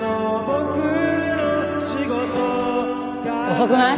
遅くない？